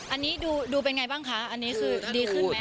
อันนี้ดูเป็นไงบ้างคะอันนี้คือดีขึ้นไหม